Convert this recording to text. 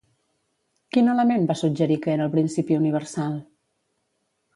Quin element va suggerir que era el principi universal?